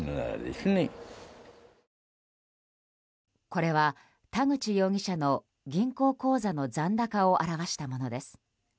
これは、田口容疑者の銀行口座の残高を表したものです。